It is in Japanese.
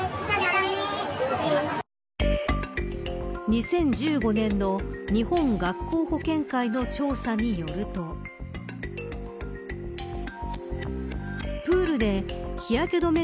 ２０１５年の日本学校保健会の調査によるとプールで日焼け止め